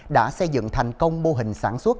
đã xây dựng thành công mô hình sản xuất